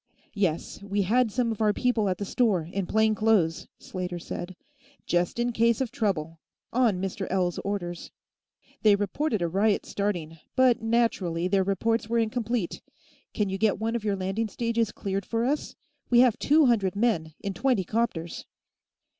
"Yes; we had some of our people at the store, in plain clothes," Slater said. "Just in case of trouble. On Mr. L.'s orders. They reported a riot starting, but naturally, their reports were incomplete. Can you get one of your landing stages cleared for us? We have two hundred men, in twenty 'copters."